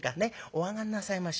お上がんなさいましよ。